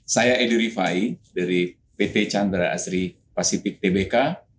saya edi rewan dari pt chandra asri pacific tbk